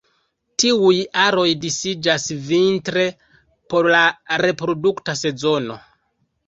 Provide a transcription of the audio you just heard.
Tiuj aroj disiĝas vintre por la reprodukta sezono.